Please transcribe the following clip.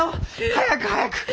早く早く！